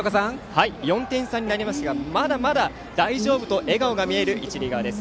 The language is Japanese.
４点差になりましたがまだまだ大丈夫と笑顔が見える一塁側です。